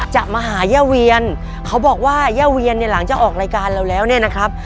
จะมาหาย่าเวียนเขาบอกว่าย่าเวียนเนี่ยหลังจากออกรายการเราแล้วเนี่ยนะครับ